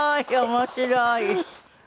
面白い。